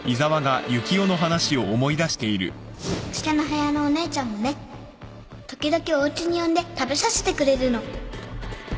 下の部屋のお姉ちゃんもね時々おうちに呼んで食べさせてくれるの